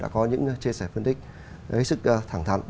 chia sẻ phân tích với sức thẳng thẳng